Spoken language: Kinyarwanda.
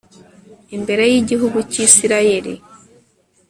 imbere y'igihugu cy'israel